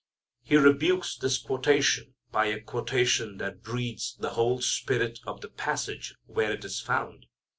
He rebukes this quotation by a quotation that breathes the whole spirit of the passage where it is found.